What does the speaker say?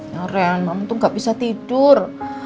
ya ren mama tuh gak bisa tidur